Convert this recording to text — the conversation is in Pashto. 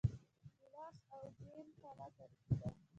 د لاش او جوین کلا تاریخي ده